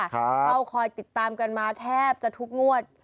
เข้าคอยติดตามกันมาแทบจะทุกงวด